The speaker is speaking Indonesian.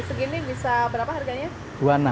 segini bisa berapa harganya